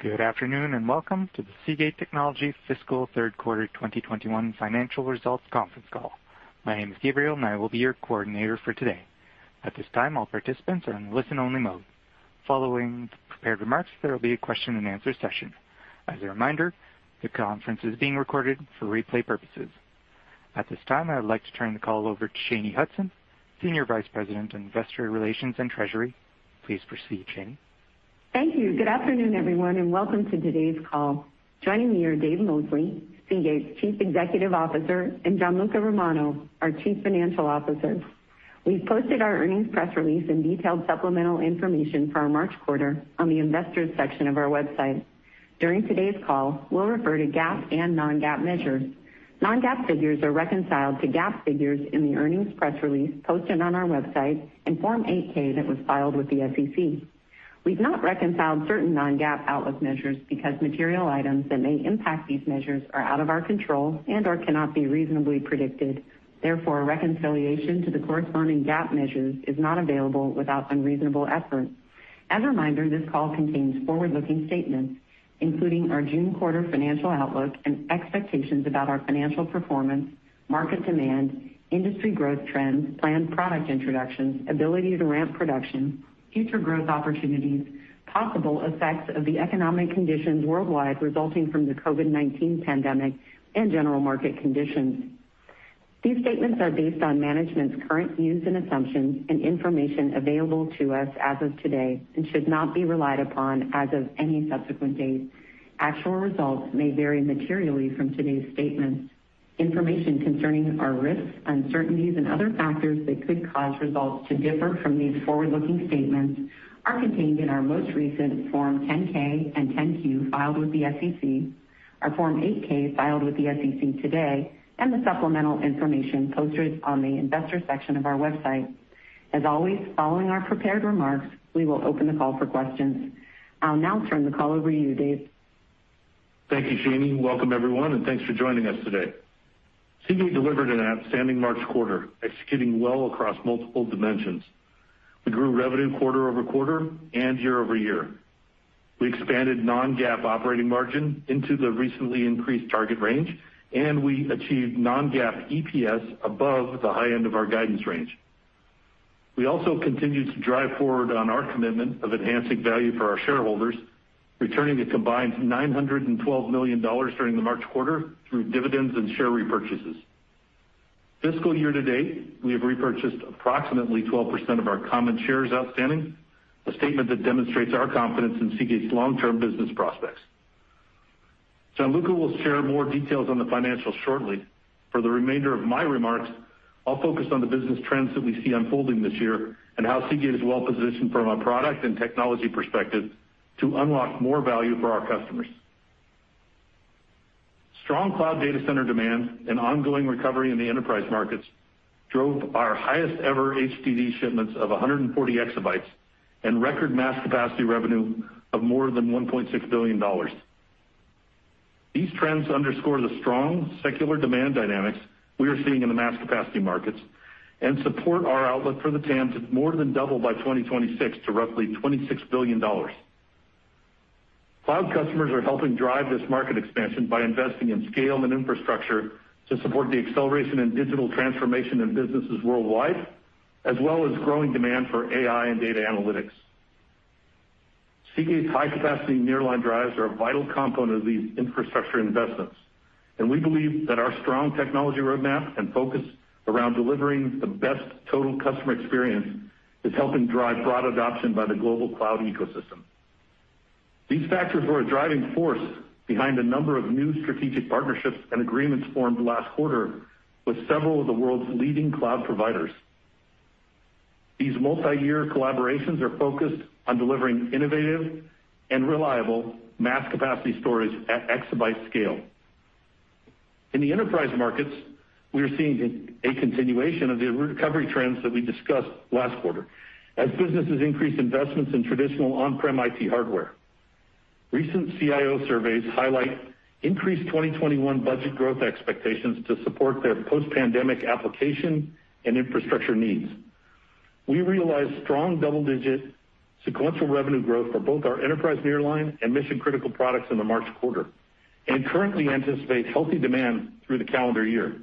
Good afternoon, and welcome to the Seagate Technology fiscal third quarter 2021 financial results conference call. My name is Gabriel and I will be your coordinator for today. At this time, all participants are in listen-only mode. Following the prepared remarks, there will be a question and answer session. As a reminder, the conference is being recorded for replay purposes. At this time, I would like to turn the call over to Shanye Hudson, Senior Vice President of Investor Relations and Treasury. Please proceed, Shanye. Thank you. Good afternoon, everyone, and welcome to today's call. Joining me are Dave Mosley, Seagate's Chief Executive Officer, and Gianluca Romano, our Chief Financial Officer. We've posted our earnings press release and detailed supplemental information for our March quarter on the investors section of our website. During today's call, we'll refer to GAAP and non-GAAP measures. Non-GAAP figures are reconciled to GAAP figures in the earnings press release posted on our website and Form 8-K that was filed with the SEC. We've not reconciled certain non-GAAP outlook measures because material items that may impact these measures are out of our control and/or cannot be reasonably predicted. Therefore, reconciliation to the corresponding GAAP measures is not available without unreasonable effort. As a reminder, this call contains forward-looking statements, including our June quarter financial outlook and expectations about our financial performance, market demand, industry growth trends, planned product introductions, ability to ramp production, future growth opportunities, possible effects of the economic conditions worldwide resulting from the COVID-19 pandemic, and general market conditions. These statements are based on management's current views and assumptions and information available to us as of today and should not be relied upon as of any subsequent date. Actual results may vary materially from today's statements. Information concerning our risks, uncertainties, and other factors that could cause results to differ from these forward-looking statements are contained in our most recent Form 10-K and 10-Q filed with the SEC, our Form 8-K filed with the SEC today, and the supplemental information posted on the investor section of our website. As always, following our prepared remarks, we will open the call for questions. I'll now turn the call over to you, Dave. Thank you, Shanye. Welcome everyone, and thanks for joining us today. Seagate delivered an outstanding March quarter, executing well across multiple dimensions. We grew revenue quarter-over-quarter and year-over-year. We expanded non-GAAP operating margin into the recently increased target range, and we achieved non-GAAP EPS above the high end of our guidance range. We also continued to drive forward on our commitment of enhancing value for our shareholders, returning a combined $912 million during the March quarter through dividends and share repurchases. Fiscal year to date, we have repurchased approximately 12% of our common shares outstanding, a statement that demonstrates our confidence in Seagate's long-term business prospects. Gianluca will share more details on the financials shortly. For the remainder of my remarks, I'll focus on the business trends that we see unfolding this year and how Seagate is well-positioned from a product and technology perspective to unlock more value for our customers. Strong cloud data center demand and ongoing recovery in the enterprise markets drove our highest-ever HDD shipments of 140 EB and record mass capacity revenue of more than $1.6 billion. These trends underscore the strong secular demand dynamics we are seeing in the mass capacity markets and support our outlook for the TAM to more than double by 2026 to roughly $26 billion. Cloud customers are helping drive this market expansion by investing in scale and infrastructure to support the acceleration in digital transformation in businesses worldwide, as well as growing demand for AI and data analytics. Seagate's high-capacity nearline drives are a vital component of these infrastructure investments, and we believe that our strong technology roadmap and focus around delivering the best total customer experience is helping drive broad adoption by the global cloud ecosystem. These factors were a driving force behind a number of new strategic partnerships and agreements formed last quarter with several of the world's leading cloud providers. These multi-year collaborations are focused on delivering innovative and reliable mass capacity storage at exabyte scale. In the enterprise markets, we are seeing a continuation of the recovery trends that we discussed last quarter as businesses increase investments in traditional on-prem IT hardware. Recent CIO surveys highlight increased 2021 budget growth expectations to support their post-pandemic application and infrastructure needs. We realized strong double-digit sequential revenue growth for both our enterprise nearline and mission-critical products in the March quarter and currently anticipate healthy demand through the calendar year.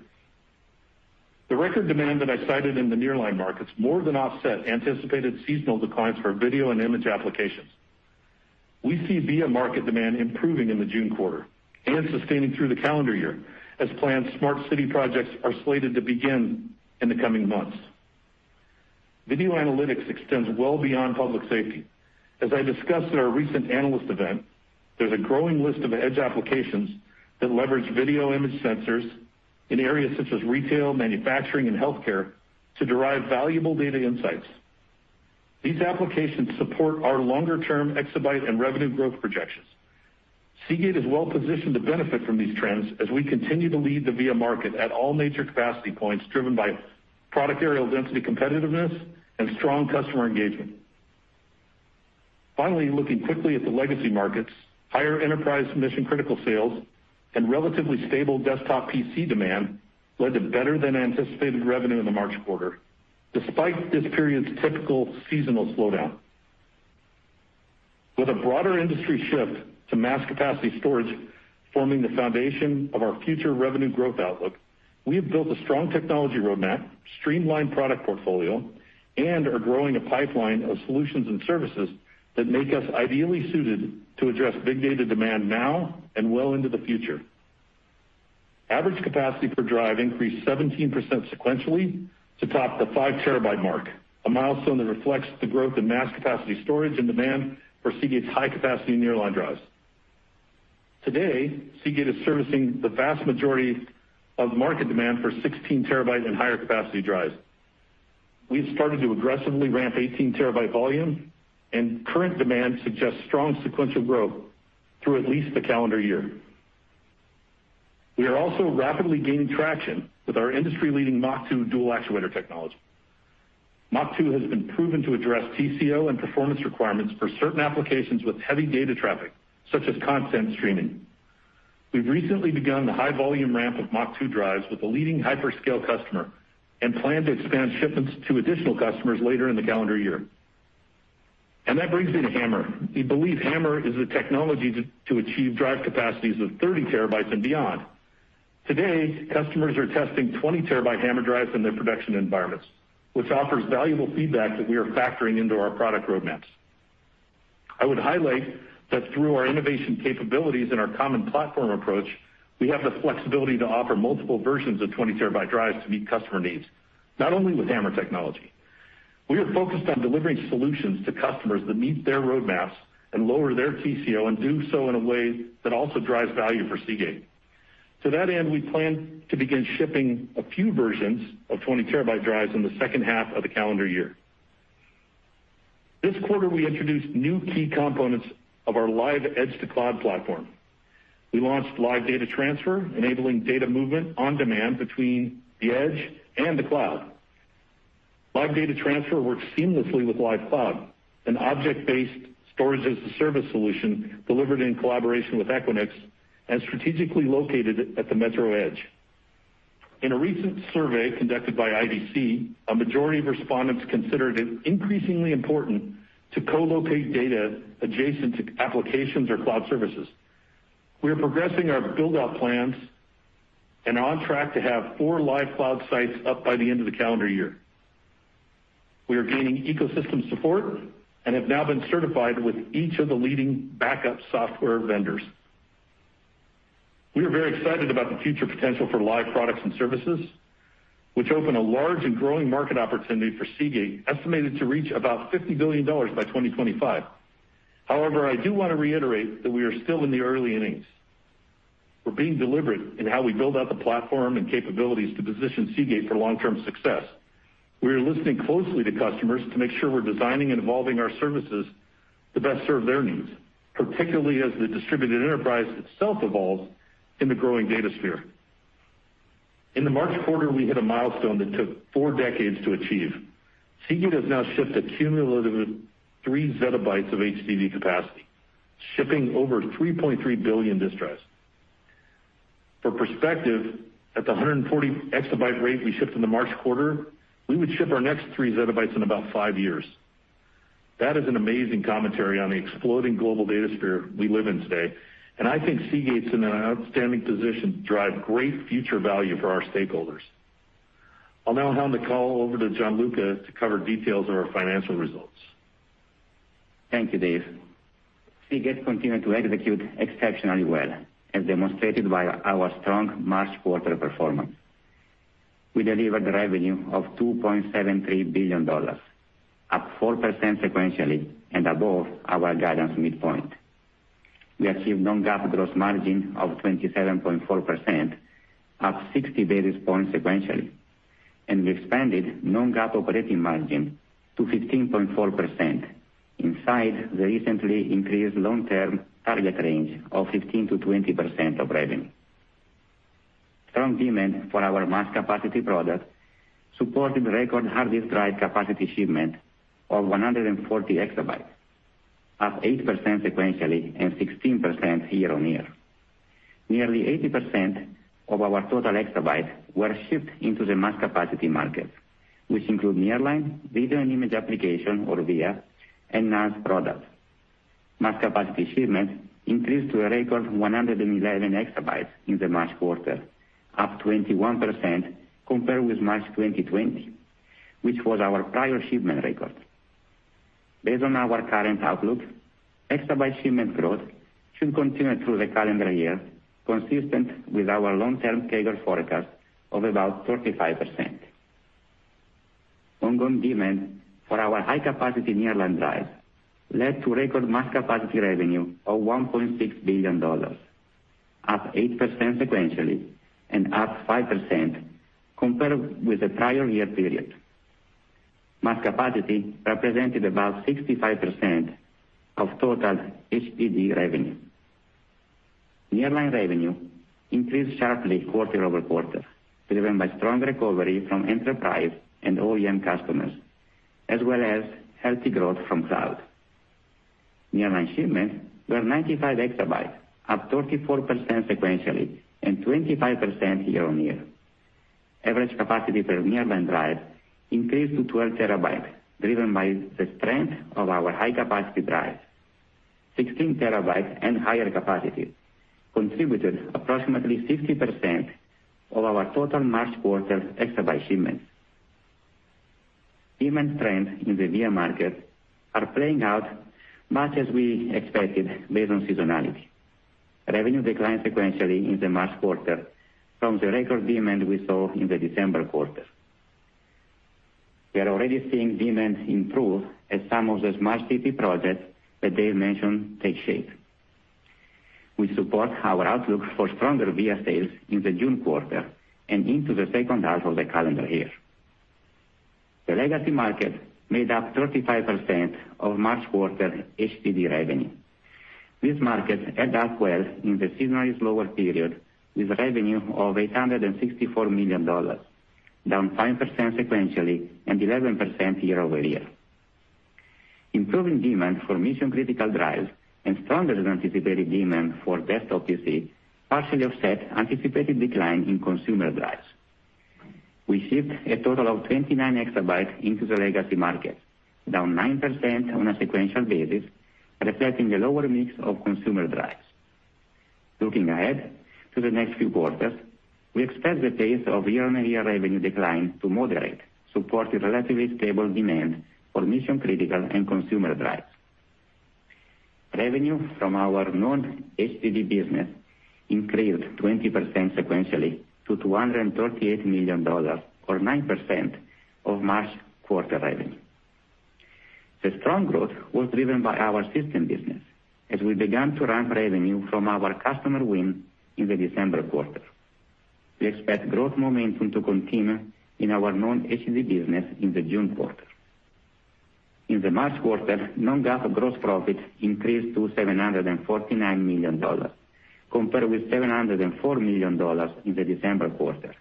The record demand that I cited in the nearline markets more than offset anticipated seasonal declines for video and image applications. We see VIA market demand improving in the June quarter and sustaining through the calendar year as planned Smart City projects are slated to begin in the coming months. Video analytics extends well beyond public safety. As I discussed at our recent Analyst Day, there's a growing list of edge applications that leverage video image sensors in areas such as retail, manufacturing, and healthcare to derive valuable data insights. These applications support our longer-term exabyte and revenue growth projections. Seagate is well-positioned to benefit from these trends as we continue to lead the VIA market at all major capacity points, driven by product areal density competitiveness and strong customer engagement. Finally, looking quickly at the legacy markets, higher enterprise mission-critical sales and relatively stable desktop PC demand led to better than anticipated revenue in the March quarter, despite this period's typical seasonal slowdown. With a broader industry shift to mass capacity storage forming the foundation of our future revenue growth outlook, we have built a strong technology roadmap, streamlined product portfolio, and are growing a pipeline of solutions and services that make us ideally suited to address big data demand now and well into the future. Average capacity per drive increased 17% sequentially to top the 5 TB mark, a milestone that reflects the growth in mass capacity storage and demand for Seagate's high-capacity nearline drives. Today, Seagate is servicing the vast majority of market demand for 16 TB and higher capacity drives. We've started to aggressively ramp 18 TB volumes, and current demand suggests strong sequential growth through at least the calendar year. We are also rapidly gaining traction with our industry-leading MACH.2 dual actuator technology. MACH.2 has been proven to address TCO and performance requirements for certain applications with heavy data traffic, such as content streaming. We've recently begun the high-volume ramp of MACH.2 drives with a leading hyperscale customer and plan to expand shipments to additional customers later in the calendar year. That brings me to HAMR. We believe HAMR is the technology to achieve drive capacities of 30 TB and beyond. Today, customers are testing 20-TB HAMR drives in their production environments, which offers valuable feedback that we are factoring into our product roadmaps. I would highlight that through our innovation capabilities and our common platform approach, we have the flexibility to offer multiple versions of 20-TB drives to meet customer needs, not only with HAMR technology. We are focused on delivering solutions to customers that meet their roadmaps and lower their TCO, and do so in a way that also drives value for Seagate. To that end, we plan to begin shipping a few versions of 20-TB drives in the second half of the calendar year. This quarter, we introduced new key components of our Lyve edge-to-cloud platform. We launched Lyve Data Transfer, enabling data movement on demand between the edge and the cloud. Lyve Data Transfer works seamlessly with Lyve Cloud, an object-based storage-as-a-service solution delivered in collaboration with Equinix and strategically located at the metro edge. In a recent survey conducted by IDC, a majority of respondents considered it increasingly important to co-locate data adjacent to applications or cloud services. We are progressing our build-out plans and are on track to have four Lyve Cloud sites up by the end of the calendar year. We are gaining ecosystem support and have now been certified with each of the leading backup software vendors. We are very excited about the future potential for Lyve products and services, which open a large and growing market opportunity for Seagate, estimated to reach about $50 billion by 2025. However, I do want to reiterate that we are still in the early innings. We're being deliberate in how we build out the platform and capabilities to position Seagate for long-term success. We are listening closely to customers to make sure we're designing and evolving our services to best serve their needs, particularly as the distributed enterprise itself evolves in the growing data sphere. In the March quarter, we hit a milestone that took four decades to achieve. Seagate has now shipped a cumulative 3 ZB of HDD capacity, shipping over 3.3 billion disk drives. For perspective, at the 140 EB rate we shipped in the March quarter, we would ship our next 3 ZB in about five years. That is an amazing commentary on the exploding global data sphere we live in today, and I think Seagate's in an outstanding position to drive great future value for our stakeholders. I'll now hand the call over to Gianluca to cover details of our financial results. Thank you, Dave. Seagate continued to execute exceptionally well as demonstrated by our strong March quarter performance. We delivered revenue of $2.73 billion, up 4% sequentially and above our guidance midpoint. We achieved non-GAAP gross margin of 27.4%, up 60 basis points sequentially, and we expanded non-GAAP operating margin to 15.4%, inside the recently increased long-term target range of 15%-20% of revenue. Strong demand for our mass capacity products supported record hard disk drive capacity shipment of 140 EB, up 8% sequentially and 16% year-on-year. Nearly 80% of our total exabytes were shipped into the mass capacity market, which include nearline, video and image application, or VIA, and NAS products. Mass capacity shipments increased to a record 111 EB in the March quarter, up 21% compared with March 2020, which was our prior shipment record. Based on our current outlook, exabyte shipment growth should continue through the calendar year, consistent with our long-term CAGR forecast of about 35%. Ongoing demand for our high-capacity nearline drive led to record mass capacity revenue of $1.6 billion, up 8% sequentially and up 5% compared with the prior year period. Mass capacity represented about 65% of total HDD revenue. Nearline revenue increased sharply quarter-over-quarter, driven by strong recovery from enterprise and OEM customers, as well as healthy growth from cloud. Nearline shipments were 95 EB, up 34% sequentially and 25% year-on-year. Average capacity per nearline drive increased to 12 TB, driven by the strength of our high-capacity drive. 16 TB and higher capacity contributed approximately 60% of our total March quarter exabyte shipments. Demand trends in the VIA market are playing out much as we expected based on seasonality. Revenue declined sequentially in the March quarter from the record demand we saw in the December quarter. We are already seeing demand improve as some of the Smart City projects that Dave mentioned take shape. We support our outlook for stronger VIA sales in the June quarter and into the second half of the calendar year. The legacy market made up 35% of March quarter HDD revenue. This market held up well in the seasonally slower period with revenue of $864 million, down 5% sequentially and 11% year-over-year. Improving demand for mission-critical drives and stronger than anticipated demand for desktop PC partially offset anticipated decline in consumer drives. We shipped a total of 29 EB into the legacy market, down 9% on a sequential basis, reflecting a lower mix of consumer drives. Looking ahead to the next few quarters, we expect the pace of year-on-year revenue decline to moderate, supported relatively stable demand for mission-critical and consumer drives. Revenue from our non-HDD business increased 20% sequentially to $238 million or 9% of March quarter revenue. The strong growth was driven by our system business as we began to ramp revenue from our customer win in the December quarter. We expect growth momentum to continue in our non-HDD business in the June quarter. In the March quarter, non-GAAP gross profit increased to $749 million compared with $704 million in the December quarter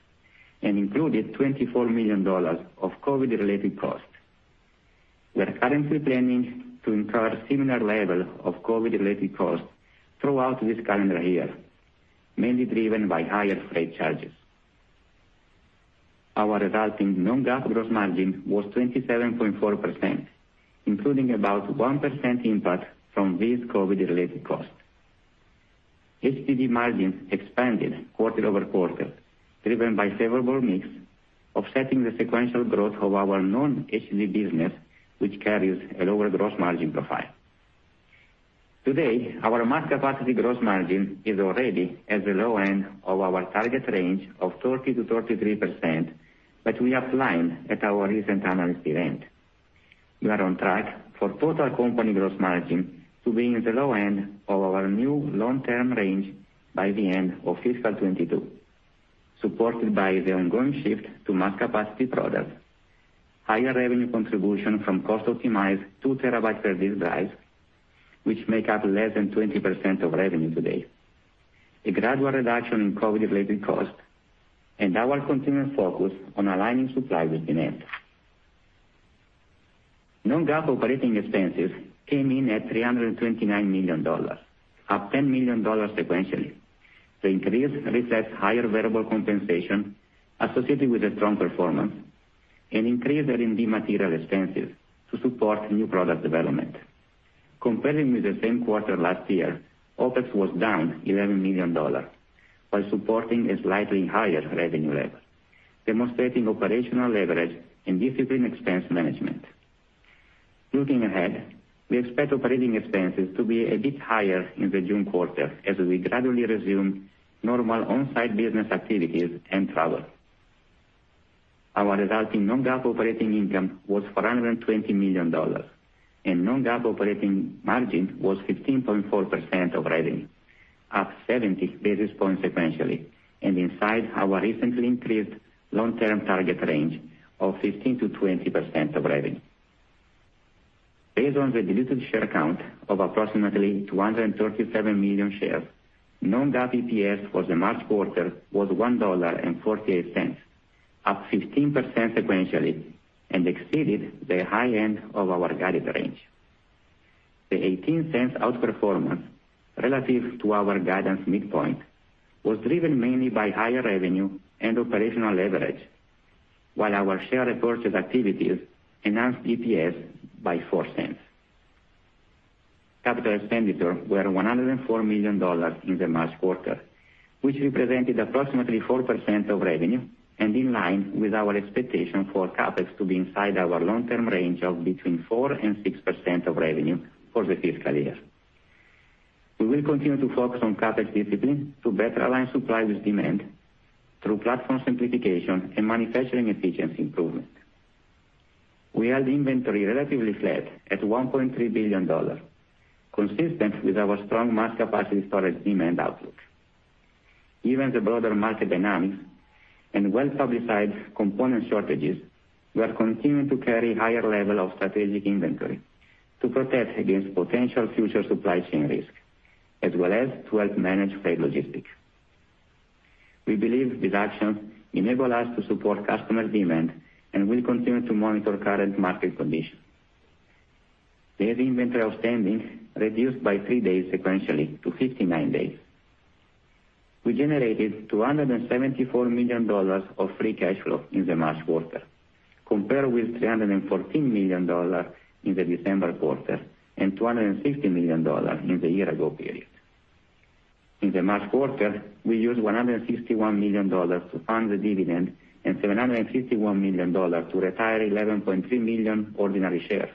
and included $24 million of COVID-related costs. We are currently planning to incur similar level of COVID-related costs throughout this calendar year, mainly driven by higher freight charges. Our resulting non-GAAP gross margin was 27.4%, including about 1% impact from these COVID-related costs. HDD margins expanded quarter-over-quarter, driven by favorable mix, offsetting the sequential growth of our non-HDD business, which carries a lower gross margin profile. Today, our mass capacity gross margin is already at the low end of our target range of 30%-33% that we outlined at our recent analyst event. We are on track for total company gross margin to be in the low end of our new long-term range by the end of fiscal 2022, supported by the ongoing shift to mass capacity products, higher revenue contribution from cost-optimized 2 TB per disk drives, which make up less than 20% of revenue today, a gradual reduction in COVID-related costs, and our continued focus on aligning supply with demand. Non-GAAP operating expenses came in at $329 million, up $10 million sequentially. The increase reflects higher variable compensation associated with a strong performance and increased R&D material expenses to support new product development. Comparing with the same quarter last year, OpEx was down $11 million while supporting a slightly higher revenue level, demonstrating operational leverage and disciplined expense management. Looking ahead, we expect operating expenses to be a bit higher in the June quarter as we gradually resume normal on-site business activities and travel. Our resulting non-GAAP operating income was $420 million, and non-GAAP operating margin was 15.4% of revenue, up 70 basis points sequentially, and inside our recently increased long-term target range of 15%-20% of revenue. Based on the diluted share count of approximately 237 million shares, non-GAAP EPS for the March quarter was $1.48, up 15% sequentially and exceeded the high end of our guided range. The $0.18 outperformance relative to our guidance midpoint was driven mainly by higher revenue and operational leverage, while our share repurchase activities enhanced EPS by $0.04. Capital expenditures were $104 million in the March quarter, which represented approximately 4% of revenue and in line with our expectation for CapEx to be inside our long-term range of between 4% and 6% of revenue for the fiscal year. We will continue to focus on CapEx discipline to better align supply with demand through platform simplification and manufacturing efficiency improvement. We held inventory relatively flat at $1.3 billion, consistent with our strong mass capacity storage demand outlook. Given the broader market dynamics and well-publicized component shortages, we are continuing to carry higher level of strategic inventory to protect against potential future supply chain risk as well as to help manage freight logistics. We believe these actions enable us to support customer demand and will continue to monitor current market conditions. Days inventory outstanding reduced by three days sequentially to 59 days. We generated $274 million of free cash flow in the March quarter, compared with $314 million in the December quarter and $260 million in the year-ago period. In the March quarter, we used $151 million to fund the dividend and $751 million to retire 11.3 million ordinary shares,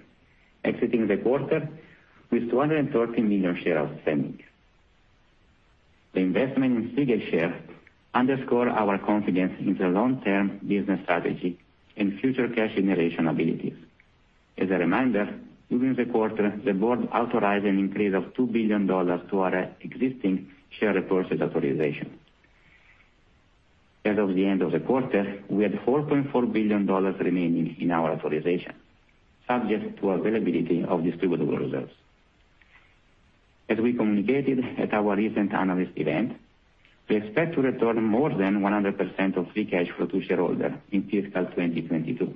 exiting the quarter with 213 million shares outstanding. The investment in Seagate shares underscore our confidence in the long-term business strategy and future cash generation abilities. As a reminder, during the quarter, the board authorized an increase of $2 billion to our existing share repurchase authorization. As of the end of the quarter, we had $4.4 billion remaining in our authorization, subject to availability of distributable reserves. As we communicated at our recent analyst event, we expect to return more than 100% of free cash flow to shareholders in fiscal 2022.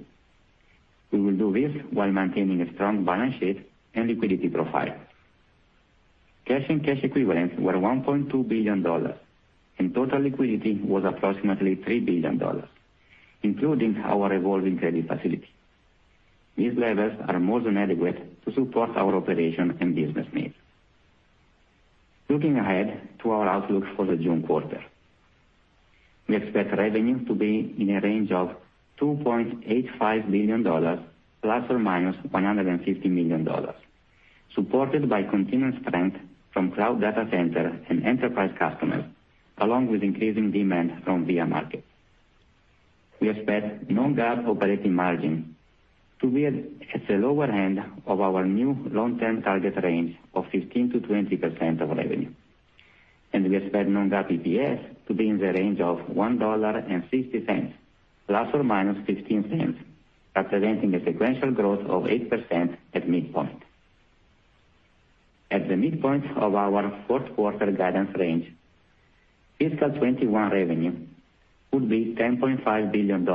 We will do this while maintaining a strong balance sheet and liquidity profile. Cash and cash equivalents were $1.2 billion, and total liquidity was approximately $3 billion, including our revolving credit facility. These levels are more than adequate to support our operation and business needs. Looking ahead to our outlook for the June quarter. We expect revenue to be in a range of $2.85 billion ±$150 million, supported by continued strength from cloud data center and enterprise customers, along with increasing demand from VIA markets. We expect non-GAAP operating margin to be at the lower end of our new long-term target range of 15%-20% of revenue, and we expect non-GAAP EPS to be in the range of $1.60 ±$0.15, representing a sequential growth of 8% at midpoint. At the midpoint of our fourth-quarter guidance range, fiscal 2021 revenue would be $10.5 billion,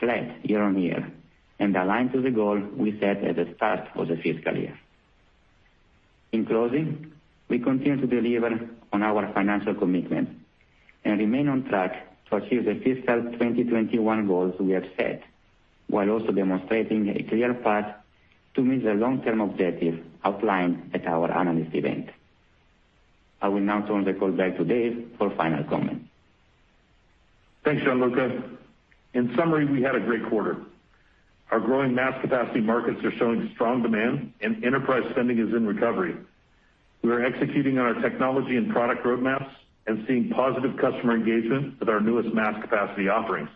flat year-on-year, and aligned to the goal we set at the start of the fiscal year. In closing, we continue to deliver on our financial commitment and remain on track to achieve the fiscal 2021 goals we have set, while also demonstrating a clear path to meet the long-term objective outlined at our analyst event. I will now turn the call back to Dave for final comments. Thanks, Gianluca. In summary, we had a great quarter. Our growing mass capacity markets are showing strong demand, and enterprise spending is in recovery. We are executing on our technology and product roadmaps and seeing positive customer engagement with our newest mass capacity offerings.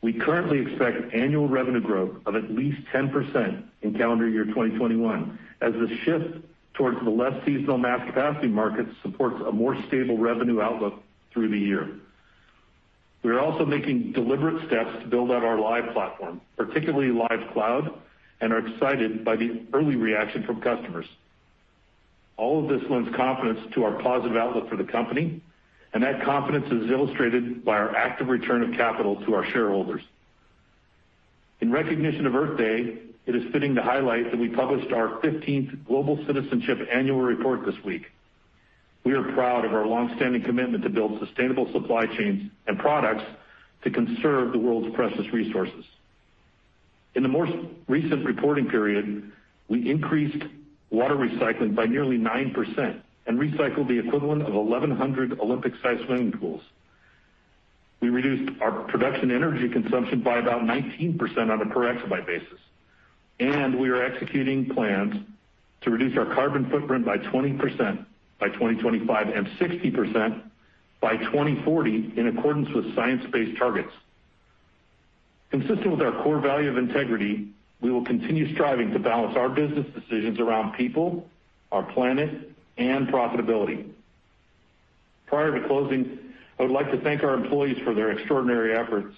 We currently expect annual revenue growth of at least 10% in calendar year 2021 as the shift towards the less seasonal mass capacity market supports a more stable revenue outlook through the year. We are also making deliberate steps to build out our Lyve platform, particularly Lyve Cloud, and are excited by the early reaction from customers. All of this lends confidence to our positive outlook for the company, and that confidence is illustrated by our active return of capital to our shareholders. In recognition of Earth Day, it is fitting to highlight that we published our 15th Global Citizenship Annual Report this week. We are proud of our long-standing commitment to build sustainable supply chains and products to conserve the world's precious resources. In the most recent reporting period, we increased water recycling by nearly 9% and recycled the equivalent of 1,100 Olympic-sized swimming pools. We reduced our production energy consumption by about 19% on a per exabyte basis, and we are executing plans to reduce our carbon footprint by 20% by 2025 and 60% by 2040 in accordance with Science Based targets. Consistent with our core value of integrity, we will continue striving to balance our business decisions around people, our planet, and profitability. Prior to closing, I would like to thank our employees for their extraordinary efforts,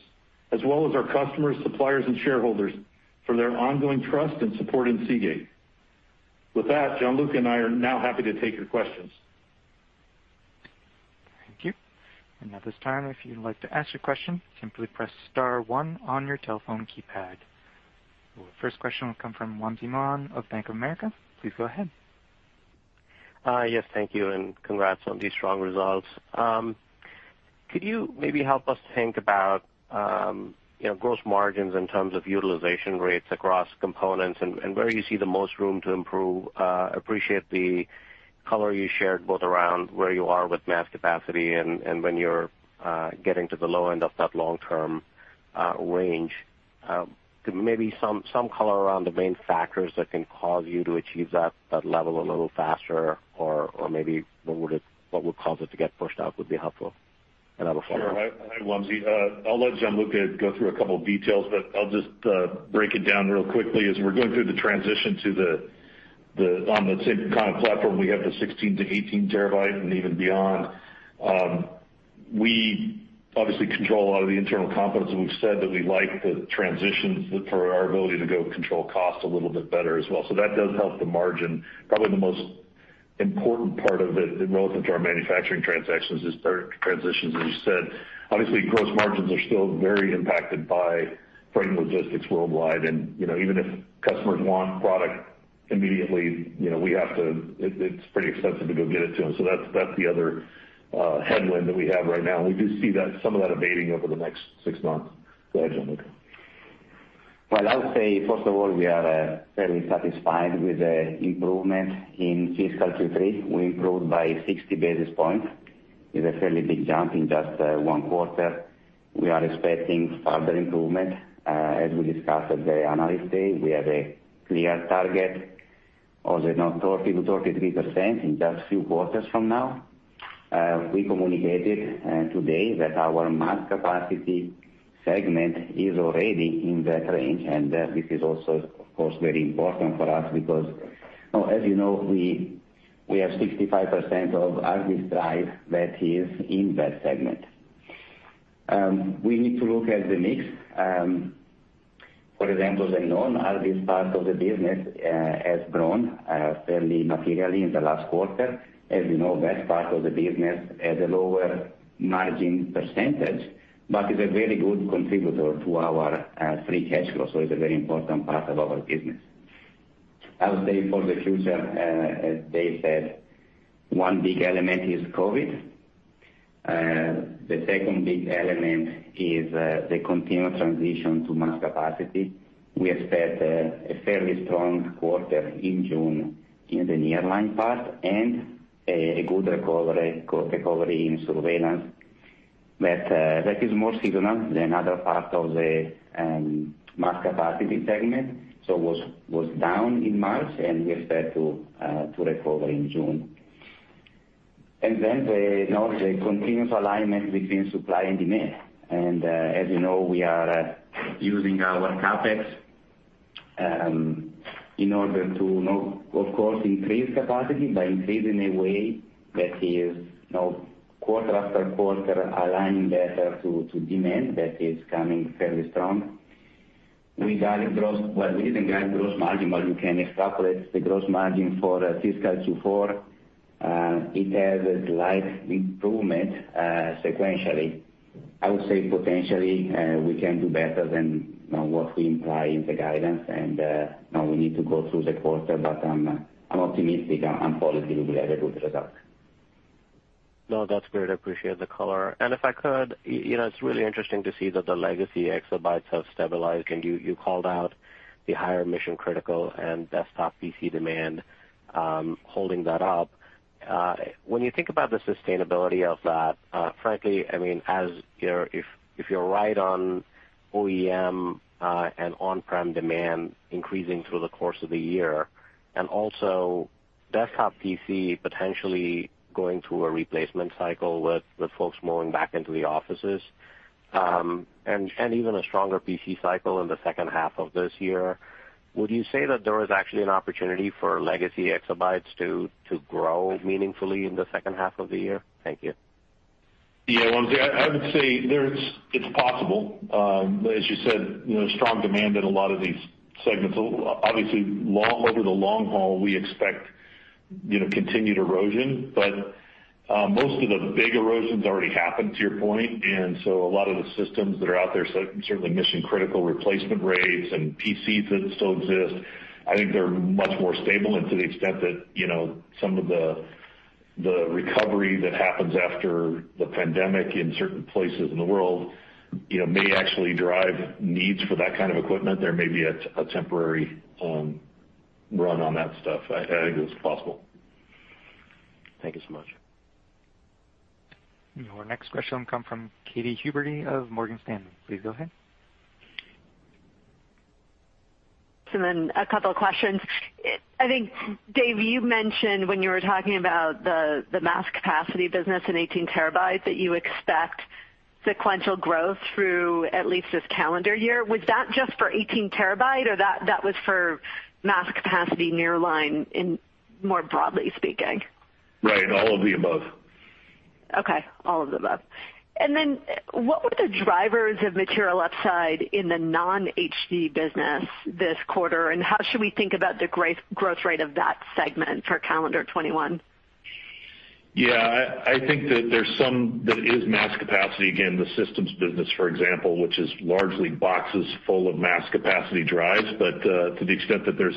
as well as our customers, suppliers, and shareholders for their ongoing trust and support in Seagate. With that, Gianluca and I are now happy to take your questions. Thank you. At this time, if you'd like to ask a question, simply press star one on your telephone keypad. Our first question will come from Wamsi Mohan of Bank of America. Please go ahead. Yes, thank you. Congrats on these strong results. Could you maybe help us think about gross margins in terms of utilization rates across components and where you see the most room to improve? Appreciate the color you shared both around where you are with mass capacity and when you're getting to the low end of that long-term range. Maybe some color around the main factors that can cause you to achieve that level a little faster or maybe what would cause it to get pushed out would be helpful. I have a follow-up. Sure. Hi, Wamsi. I'll let Gianluca go through a couple of details, but I'll just break it down real quickly. As we're going through the transition on the same kind of platform, we have the 16 TB-18 TB and even beyond. We obviously control a lot of the internal competence, and we've said that we like the transitions for our ability to go control cost a little bit better as well. That does help the margin. Probably the most important part of it relative to our manufacturing transitions is transitions, as you said. Gross margins are still very impacted by freight and logistics worldwide. Even if customers want product immediately, it's pretty expensive to go get it to them. That's the other headwind that we have right now, and we do see some of that abating over the next six months. Go ahead, Gianluca. I would say, first of all, we are fairly satisfied with the improvement in fiscal Q3. We improved by 60 basis points. It's a fairly big jump in just one quarter. We are expecting further improvement, as we discussed at the Analyst Day. We have a clear target of 30%-33% in just a few quarters from now. We communicated today that our mass capacity segment is already in that range, and this is also, of course, very important for us because as you know, we have 65% of RV drive that is in that segment. We need to look at the mix. For example, the non-RV part of the business has grown fairly materially in the last quarter. As you know, that part of the business has a lower margin percentage but is a very good contributor to our free cash flow. It's a very important part of our business. I would say for the future, as Dave said, one big element is COVID. The second big element is the continued transition to mass capacity. We expect a fairly strong quarter in June in the nearline part and a good recovery in surveillance. That is more seasonal than other parts of the mass capacity segment. It was down in March, and we expect to recover in June. Then the continuous alignment between supply and demand. As you know, we are using our CapEx in order to, of course, increase capacity by increasing in a way that is quarter after quarter aligning better to demand that is coming fairly strong. We didn't guide gross margin, but you can extrapolate the gross margin for fiscal Q4. It has a slight improvement sequentially. I would say potentially, we can do better than what we imply in the guidance. Now, we need to go through the quarter, but I'm optimistic and positive we will have a good result. No, that's great. I appreciate the color. If I could, it's really interesting to see that the legacy exabytes have stabilized, and you called out the higher mission-critical and desktop PC demand holding that up. When you think about the sustainability of that, frankly, if you're right on OEM and on-prem demand increasing through the course of the year, and also desktop PC potentially going through a replacement cycle with folks moving back into the offices, and even a stronger PC cycle in the second half of this year, would you say that there is actually an opportunity for legacy exabytes to grow meaningfully in the second half of the year? Thank you. I would say it's possible. As you said, strong demand in a lot of these segments. Obviously, over the long haul, we expect continued erosion, but most of the big erosions already happened, to your point. A lot of the systems that are out there, certainly mission-critical replacement rates and PCs that still exist, I think they're much more stable. To the extent that some of the recovery that happens after the pandemic in certain places in the world may actually drive needs for that kind of equipment. There may be a temporary run on that stuff. I think it's possible. Thank you so much. Your next question will come from Katy Huberty of Morgan Stanley. Please go ahead. A couple of questions. I think, Dave, you mentioned when you were talking about the mass capacity business in 18 TB that you expect sequential growth through at least this calendar year. Was that just for 18 TB, or that was for mass capacity nearline more broadly speaking? Right. All of the above. Okay. All of the above. What were the drivers of material upside in the non-HDD business this quarter, and how should we think about the growth rate of that segment for calendar 2021? I think that there's some that is mass capacity. Again, the systems business, for example, which is largely boxes full of mass capacity drives. To the extent that there's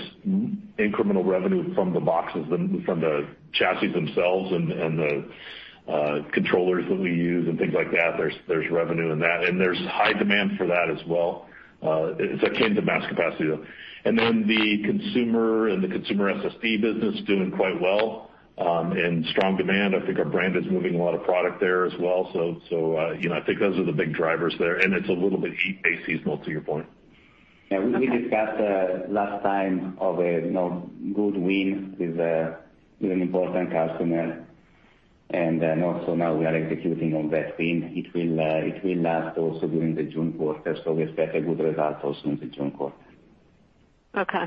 incremental revenue from the boxes, from the chassis themselves and the controllers that we use and things like that, there's revenue in that, and there's high demand for that as well. It's akin to mass capacity, though. The consumer and the consumer SSD business doing quite well, and strong demand. I think our brand is moving a lot of product there as well. I think those are the big drivers there, and it's a little bit peak-based seasonal to your point. Okay. We discussed last time of a good win with an important customer, and also now we are executing on that win. It will last also during the June quarter, so we expect a good result also in the June quarter. Okay.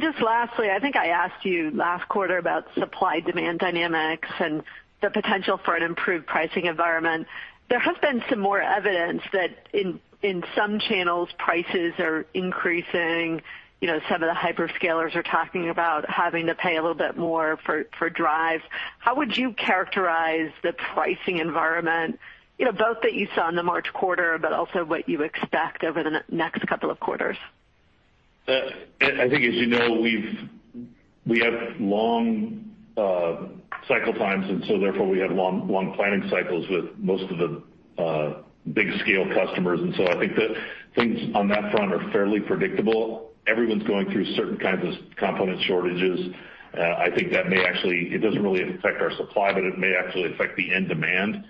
Just lastly, I think I asked you last quarter about supply-demand dynamics and the potential for an improved pricing environment. There has been some more evidence that in some channels, prices are increasing. Some of the hyperscalers are talking about having to pay a little bit more for drives. How would you characterize the pricing environment, both that you saw in the March quarter, but also what you expect over the next couple of quarters? I think as you know, we have long cycle times, and so therefore we have long planning cycles with most of the big scale customers. I think that things on that front are fairly predictable. Everyone's going through certain kinds of component shortages. I think it doesn't really affect our supply, but it may actually affect the end demand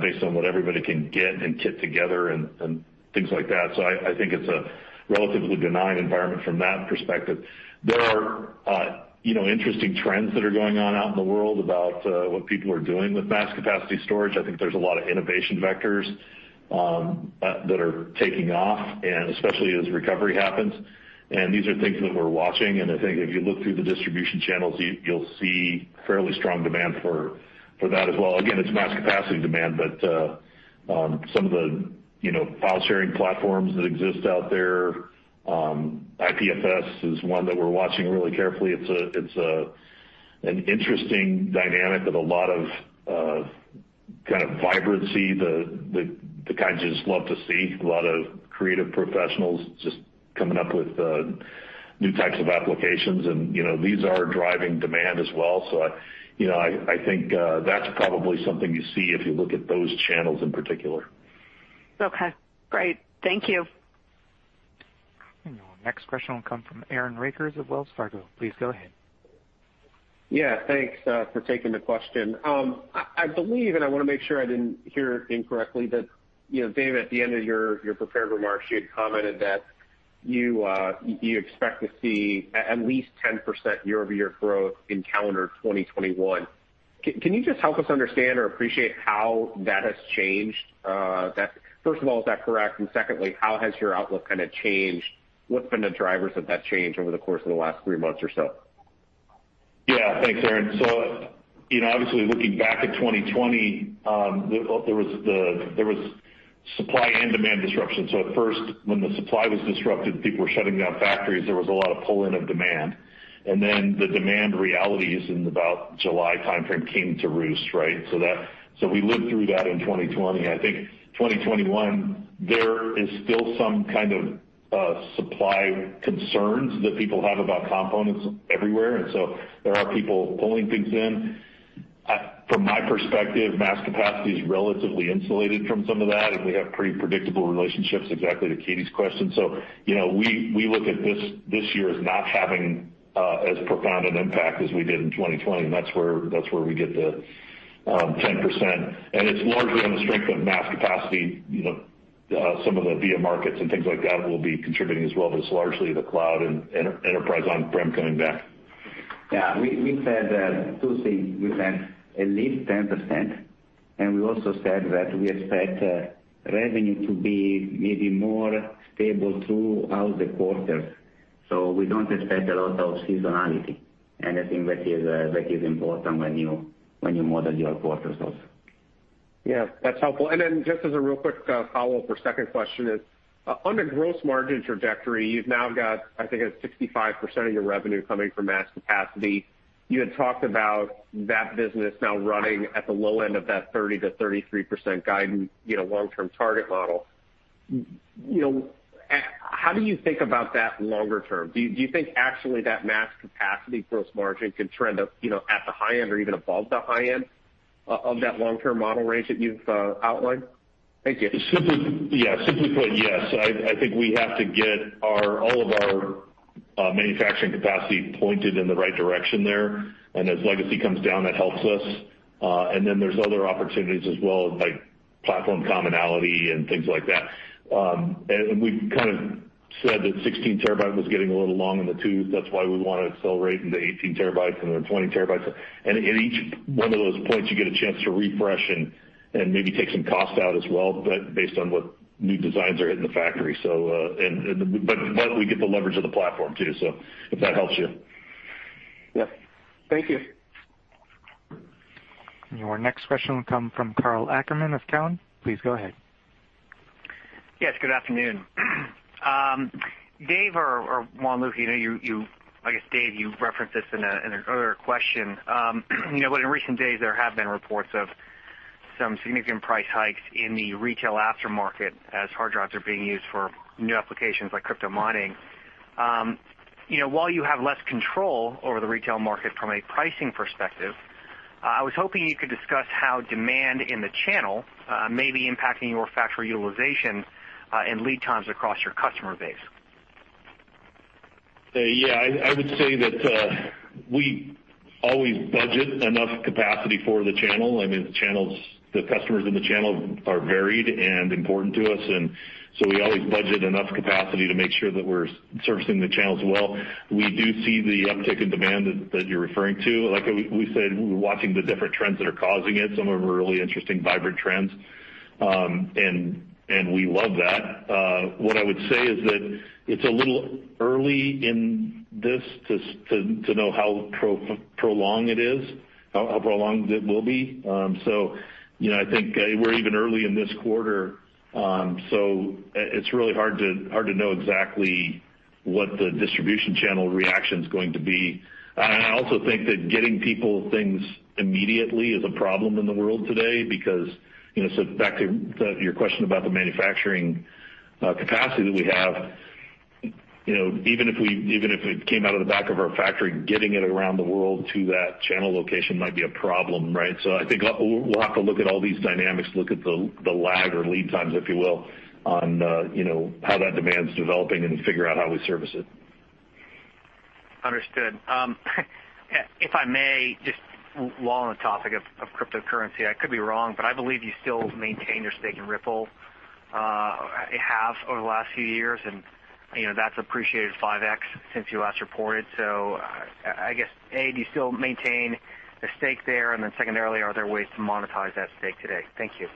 based on what everybody can get and kit together and things like that. I think it's a relatively benign environment from that perspective. There are interesting trends that are going on out in the world about what people are doing with mass capacity storage. I think there's a lot of innovation vectors that are taking off, and especially as recovery happens. These are things that we're watching, and I think if you look through the distribution channels, you'll see fairly strong demand for that as well. It's mass capacity demand, some of the file-sharing platforms that exist out there, IPFS is one that we're watching really carefully. It's an interesting dynamic with a lot of kind of vibrancy, the kind you just love to see, a lot of creative professionals just coming up with new types of applications, these are driving demand as well. I think that's probably something you see if you look at those channels in particular. Okay, great. Thank you. Your next question will come from Aaron Rakers of Wells Fargo. Please go ahead. Thanks for taking the question. I believe, and I want to make sure I didn't hear incorrectly, that Dave, at the end of your prepared remarks, you had commented that you expect to see at least 10% year-over-year growth in calendar 2021. Can you just help us understand or appreciate how that has changed? First of all, is that correct? Secondly, how has your outlook kind of changed? What's been the drivers of that change over the course of the last three months or so? Thanks, Aaron. Obviously looking back at 2020, there was supply and demand disruption. At first, when the supply was disrupted, people were shutting down factories. There was a lot of pull-in of demand. The demand realities in about July timeframe came to roost. We lived through that in 2020. I think 2021, there is still some kind of supply concerns that people have about components everywhere, there are people pulling things in. From my perspective, mass capacity is relatively insulated from some of that, and we have pretty predictable relationships exactly to Katy's question. We look at this year as not having as profound an impact as we did in 2020, and that's where we get the 10%. It's largely on the strength of mass capacity. Some of the VIA markets and things like that will be contributing as well, but it's largely the cloud and enterprise on-prem coming back. We said two things. We said at least 10%, and we also said that we expect revenue to be maybe more stable throughout the quarters. We don't expect a lot of seasonality. I think that is important when you model your quarters also. That's helpful. Just as a real quick follow-up or second question is, on the gross margin trajectory, you've now got, I think it's 65% of your revenue coming from mass capacity. You had talked about that business now running at the low end of that 30%-33% guidance long-term target model. How do you think about that longer term? Do you think actually that mass capacity gross margin can trend up at the high end or even above the high end of that long-term model range that you've outlined? Thank you. Simply put, yes. I think we have to get all of our manufacturing capacity pointed in the right direction there. As legacy comes down, that helps us. There's other opportunities as well, like platform commonality and things like that. We kind of said that 16 TB was getting a little long in the tooth. That's why we want to accelerate into 18 TB and then 20 TB. At each one of those points, you get a chance to refresh and maybe take some cost out as well based on what new designs are hitting the factory. We get the leverage of the platform too, if that helps you. Thank you. Your next question will come from Karl Ackerman of Cowen. Please go ahead. Yes, good afternoon. Dave or Gianluca, I guess, Dave, you referenced this in an earlier question. In recent days, there have been reports of some significant price hikes in the retail aftermarket as hard drives are being used for new applications like crypto mining. While you have less control over the retail market from a pricing perspective, I was hoping you could discuss how demand in the channel may be impacting your factory utilization and lead times across your customer base. I would say that we always budget enough capacity for the channel. I mean, the customers in the channel are varied and important to us. We always budget enough capacity to make sure that we're servicing the channels well. We do see the uptick in demand that you're referring to. Like we said, we're watching the different trends that are causing it, some of them are really interesting, vibrant trends. And we love that. What I would say is that it's a little early in this to know how prolonged it is, how prolonged it will be. I think we're even early in this quarter, so it's really hard to know exactly what the distribution channel reaction's going to be. I also think that getting people things immediately is a problem in the world today. Back to your question about the manufacturing capacity that we have, even if it came out of the back of our factory, getting it around the world to that channel location might be a problem. I think we'll have to look at all these dynamics, look at the lag or lead times, if you will, on how that demand's developing and figure out how we service it. Understood. If I may, just while on the topic of cryptocurrency, I could be wrong, but I believe you still maintain your stake in Ripple. It has over the last few years, and that's appreciated 5x since you last reported. I guess, do you still maintain a stake there? Secondarily, are there ways to monetize that stake today? Thank you.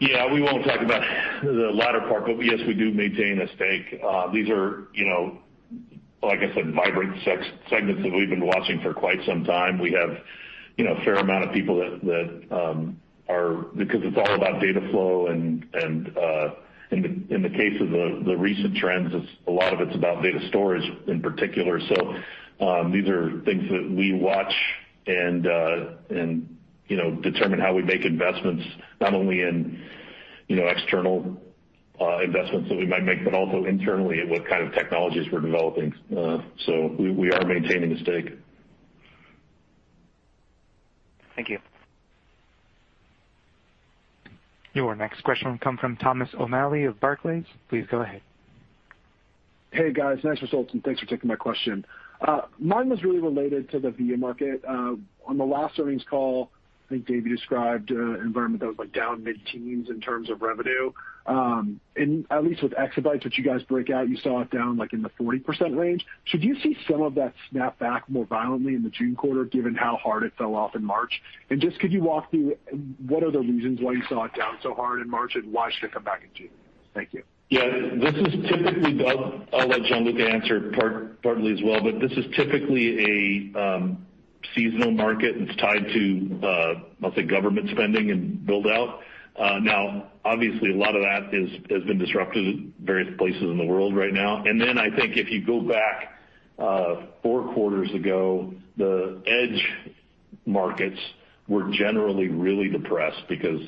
We won't talk about the latter part, but yes, we do maintain a stake. These are, like I said, vibrant segments that we've been watching for quite some time. We have a fair amount of people because it's all about data flow and in the case of the recent trends, a lot of it's about data storage in particular. These are things that we watch and determine how we make investments, not only in external investments that we might make, but also internally in what kind of technologies we're developing. We are maintaining a stake. Thank you. Your next question will come from Thomas O'Malley of Barclays. Please go ahead. Hey, guys. Nice results. Thanks for taking my question. Mine was really related to the VIA market. On the last earnings call, I think Dave described an environment that was down mid-teens in terms of revenue. At least with exabytes that you guys break out, you saw it down, like in the 40% range. Should you see some of that snapback more violently in the June quarter, given how hard it fell off in March? Just could you walk through what are the reasons why you saw it down so hard in March, and why should it come back in June? Thank you. I'll let Gianluca answer partly as well, but this is typically a seasonal market, and it's tied to, I'll say, government spending and build-out. Obviously, a lot of that has been disrupted in various places in the world right now. I think if you go back four quarters ago, the edge markets were generally really depressed because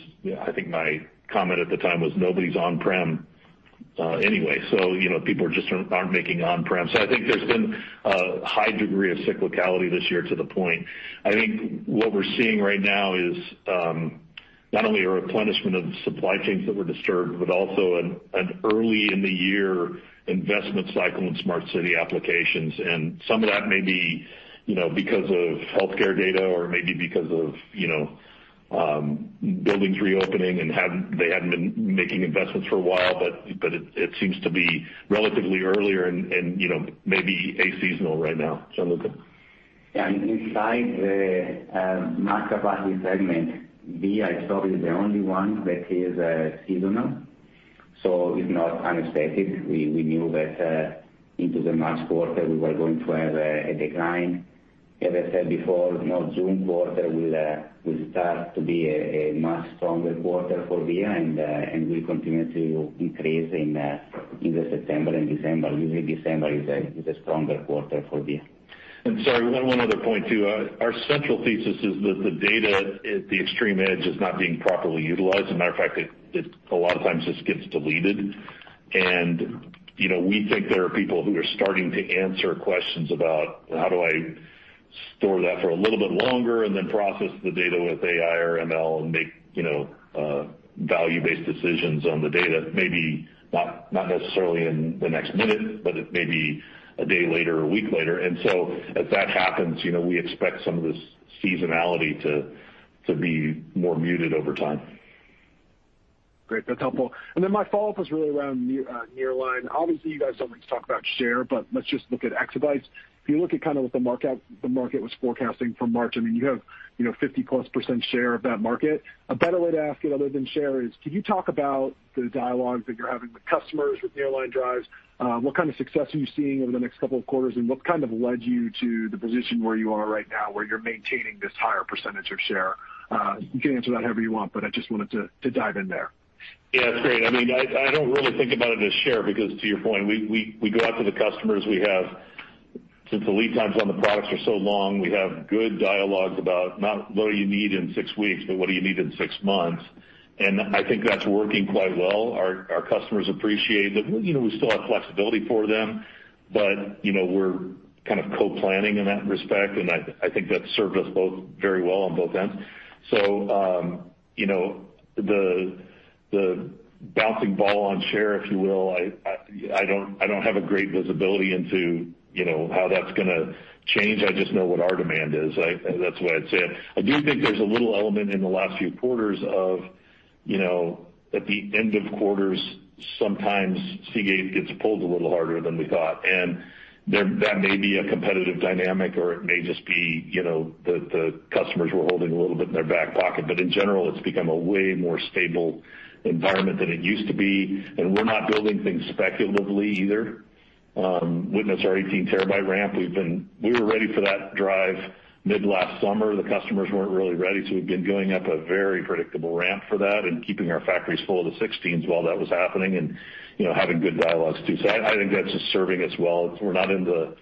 I think my comment at the time was, nobody's on-prem anyway. People just aren't making on-prem. I think there's been a high degree of cyclicality this year to the point. I think what we're seeing right now is not only a replenishment of the supply chains that were disturbed, but also an early-in-the-year investment cycle in Smart City applications. Some of that may be because of healthcare data or maybe because of buildings reopening and they hadn't been making investments for a while. It seems to be relatively earlier and maybe aseasonal right now. Gianluca. Inside the market by segment, VIA I thought is the only one that is seasonal, so it's not unexpected. We knew that into the March quarter, we were going to have a decline. As I said before, now June quarter will start to be a much stronger quarter for VIA, and we continue to increase in either September and December. Usually December is a stronger quarter for VIA. Sorry, one other point, too. Our central thesis is that the data at the extreme edge is not being properly utilized. As a matter of fact, a lot of times it just gets deleted. We think there are people who are starting to answer questions about how do I store that for a little bit longer, and then process the data with AI or ML and make value-based decisions on the data, maybe not necessarily in the next minute, but it may be a day later or a week later. As that happens, we expect some of this seasonality to be more muted over time. Great. That's helpful. Then my follow-up was really around nearline. Obviously, you guys don't like to talk about share, but let's just look at exabytes. If you look at kind of what the market was forecasting for March, you have 50%+ share of that market. A better way to ask it other than share is, can you talk about the dialogues that you're having with customers with nearline drives? What kind of success are you seeing over the next couple of quarters, and what kind of led you to the position where you are right now, where you're maintaining this higher percentage of share? You can answer that however you want, but I just wanted to dive in there. Great. I don't really think about it as share because to your point, we go out to the customers. Since the lead times on the products are so long, we have good dialogues about not what do you need in six weeks, but what do you need in six months? I think that's working quite well. Our customers appreciate that we still have flexibility for them, but we're kind of co-planning in that respect, and I think that's served us both very well on both ends. The bouncing ball on share, if you will, I don't have a great visibility into how that's going to change. I just know what our demand is. That's why I'd say I do think there's a little element in the last few quarters. At the end of quarters, sometimes Seagate gets pulled a little harder than we thought, and that may be a competitive dynamic, or it may just be that the customers were holding a little bit in their back pocket. In general, it's become a way more stable environment than it used to be. We're not building things speculatively either. Witness our 18-TB ramp. We were ready for that drive mid last summer. The customers weren't really ready, so we've been going up a very predictable ramp for that and keeping our factories full of the 16 TBs while that was happening and having good dialogues too. I think that's just serving us well. We're not in the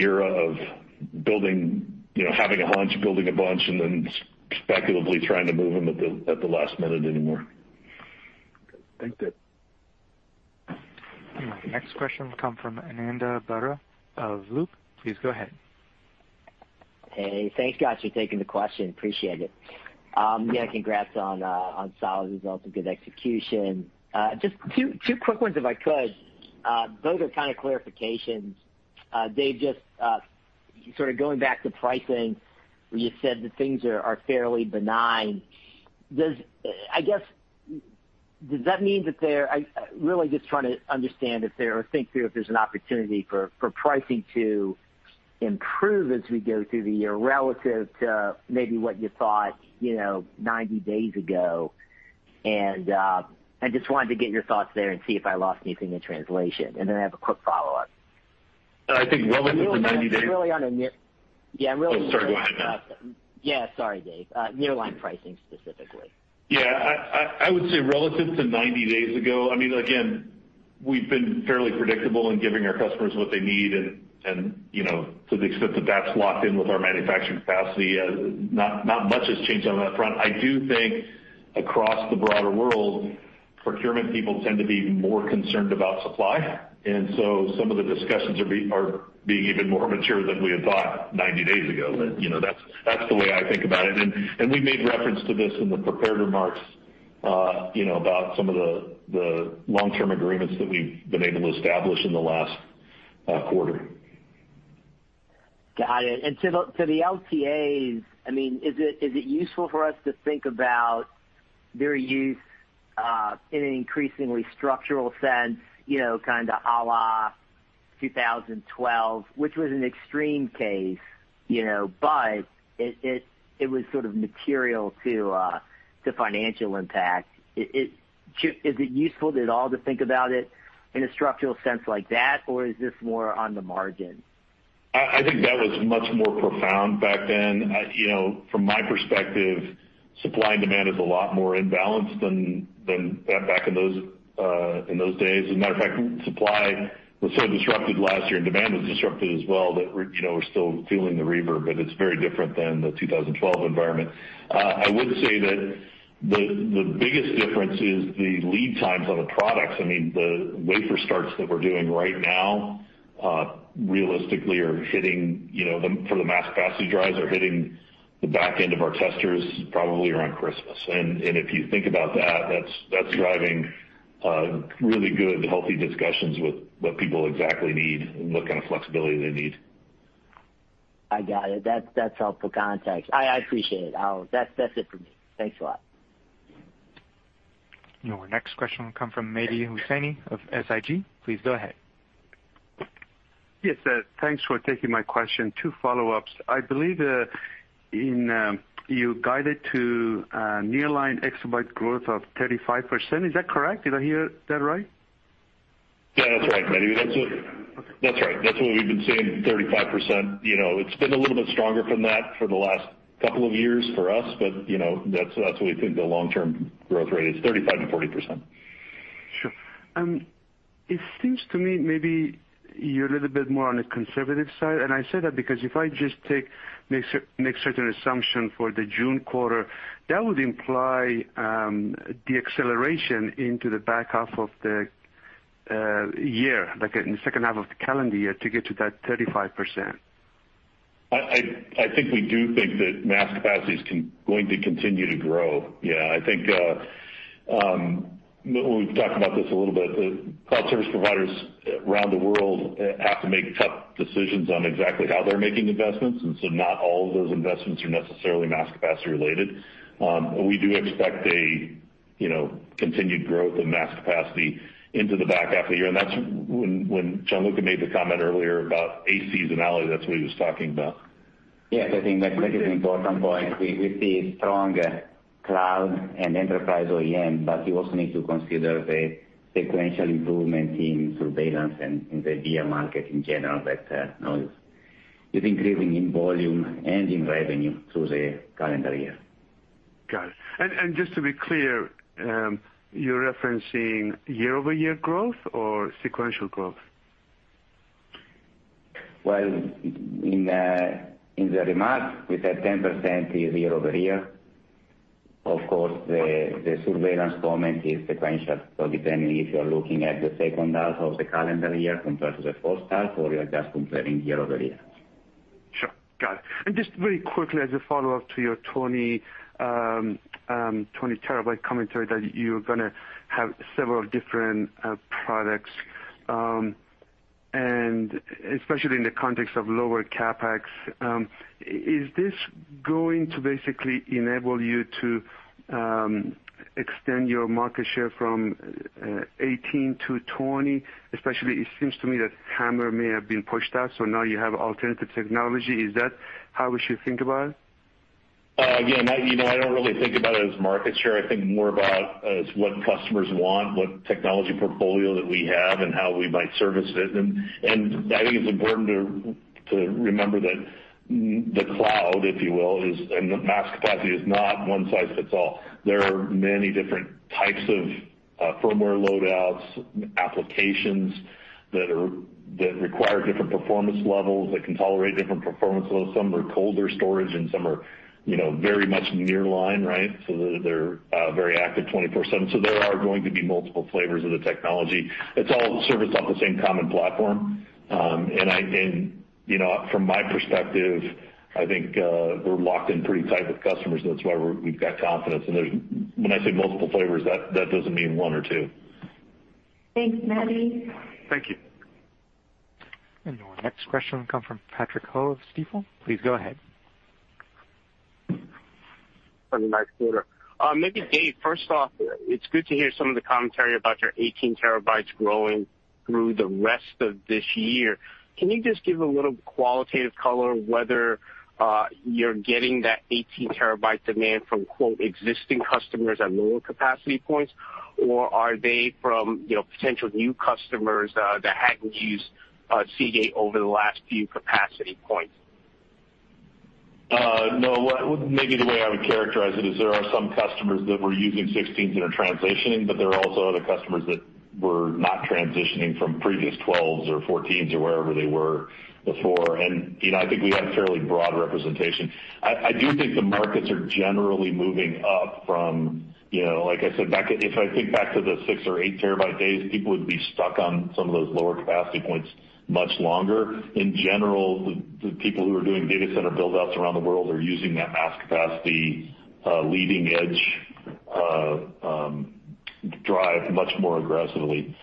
era of having a hunch, building a bunch, and then speculatively trying to move them at the last minute anymore. Okay. Thanks, Dave. Our next question will come from Ananda Baruah of Loop. Please go ahead. Hey, thanks guys for taking the question. Appreciate it. Congrats on solid results and good execution. Just two quick ones, if I could. Both are kind of clarifications. Dave, just sort of going back to pricing, where you said that things are fairly benign. I'm really just trying to understand or think through if there's an opportunity for pricing to improve as we go through the year relative to maybe what you thought 90 days ago. I just wanted to get your thoughts there and see if I lost anything in translation, and then I have a quick follow-up. I think relative to 90 days- I'm really on a near- Oh, sorry. Go ahead, Ananda. Sorry, Dave. Nearline pricing specifically. I would say relative to 90 days ago, again, we've been fairly predictable in giving our customers what they need, and to the extent that that's locked in with our manufacturing capacity, not much has changed on that front. I do think across the broader world, procurement people tend to be more concerned about supply, and so some of the discussions are being even more mature than we had thought 90 days ago. That's the way I think about it. We made reference to this in the prepared remarks, about some of the long-term agreements that we've been able to establish in the last quarter. Got it. To the LTAs, is it useful for us to think about their use in an increasingly structural sense? Kind of a la 2012, which was an extreme case, but it was sort of material to financial impact. Is it useful at all to think about it in a structural sense like that, or is this more on the margin? I think that was much more profound back then. From my perspective, supply and demand is a lot more imbalanced than back in those days. As a matter of fact, supply was so disrupted last year, and demand was disrupted as well that we're still feeling the reverb, but it's very different than the 2012 environment. I would say that the biggest difference is the lead times on the products. The wafer starts that we're doing right now realistically, for the mass capacity drives, are hitting the back end of our testers probably around Christmas. If you think about that's driving really good, healthy discussions with what people exactly need and what kind of flexibility they need. I got it. That's helpful context. I appreciate it. That's it for me. Thanks a lot. Your next question will come from Mehdi Hosseini of SIG. Please go ahead. Thanks for taking my question. Two follow-ups. I believe you guided to nearline exabyte growth of 35%. Is that correct? Did I hear that right? That's right, Mehdi. That's what we've been seeing, 35%. It's been a little bit stronger from that for the last couple of years for us, but that's what we think the long-term growth rate is, 35%-40%. Sure. It seems to me maybe you're a little bit more on the conservative side, and I say that because if I just make certain assumption for the June quarter, that would imply deacceleration into the back half of the year, like in the second half of the calendar year to get to that 35%. I think we do think that mass capacity is going to continue to grow. I think, we've talked about this a little bit. Cloud service providers around the world have to make tough decisions on exactly how they're making investments, and so not all of those investments are necessarily mass capacity related. We do expect a continued growth in mass capacity into the back half of the year, and when Gianluca made the comment earlier about aseasonality, that's what he was talking about. Yes, I think that is an important point. We see strong cloud and enterprise OEM. You also need to consider the sequential improvement in surveillance and in the VIA market in general that is increasing in volume and in revenue through the calendar year. Got it. Just to be clear, you're referencing year-over-year growth or sequential growth? Well, in the remarks, we said 10% is year-over-year. Of course, the surveillance comment is sequential. Depending if you are looking at the second half of the calendar year compared to the first half, or you are just comparing year-over-year. Sure. Got it. Just very quickly as a follow-up to your 20 TB commentary that you're going to have several different products. Especially in the context of lower CapEx, is this going to basically enable you to extend your market share from 18 TB to 20 TB? Especially, it seems to me that HAMR may have been pushed out, now you have alternative technology. Is that how we should think about it? I don't really think about it as market share. I think more about as what customers want, what technology portfolio that we have, and how we might service it. I think it's important to remember that the cloud, if you will, and mass capacity is not one size fits all. There are many different types of firmware load outs, applications that require different performance levels, that can tolerate different performance levels. Some are colder storage and some are very much nearline. They're very active 24/7. There are going to be multiple flavors of the technology. It's all serviced off the same common platform. From my perspective, I think we're locked in pretty tight with customers, that's why we've got confidence. When I say multiple flavors, that doesn't mean one or two. Thanks, Mehdi. Thank you. Our next question will come from Patrick Ho of Stifel. Please go ahead. Maybe Dave, first off, it's good to hear some of the commentary about your 18 TB growing through the rest of this year. Can you just give a little qualitative color whether you're getting that 18-TB demand from "existing customers" at lower capacity points, or are they from potential new customers that hadn't used Seagate over the last few capacity points? No. Maybe the way I would characterize it is there are some customers that were using 16 TB that are transitioning, but there are also other customers that were not transitioning from previous 12 TB or 14 TB or wherever they were before. I think we have fairly broad representation. I do think the markets are generally moving up from, if I think back to the 6 TB or 8 TB days, people would be stuck on some of those lower capacity points much longer. In general, the people who are doing data center build-outs around the world are using that mass capacity leading edge drive much more aggressively.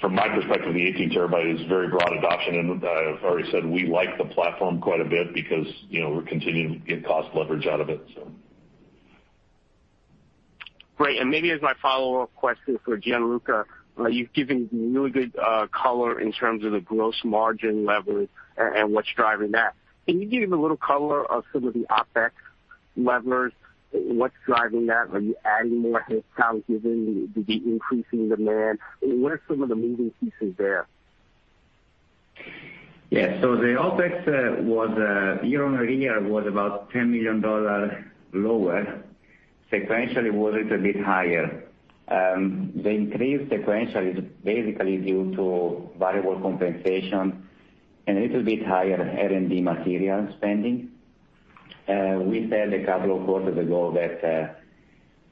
From my perspective, the 18 TB is very broad adoption. I've already said we like the platform quite a bit because we're continuing to get cost leverage out of it. Great, maybe as my follow-up question for Gianluca. You've given really good color in terms of the gross margin leverage and what's driving that. Can you give a little color of some of the OpEx levers? What's driving that? Are you adding more headcount given the increasing demand? What are some of the moving pieces there? The OpEx year-on-year was about $10 million lower. Sequentially, it was a little bit higher. The increase sequentially is basically due to variable compensation and a little bit higher R&D material spending. We said a couple of quarters ago that